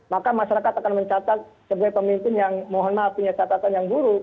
maka masyarakat akan mencatat sebagai pemimpin yang mohon maaf punya catatan yang buruk